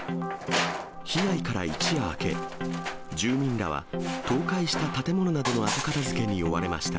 被害から一夜明け、住人らは倒壊した建物などの後片づけに追われました。